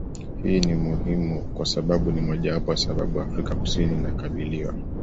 Hii ni muhimu kwa sababu ni mojawapo ya sababu Afrika kusini inakabiliwa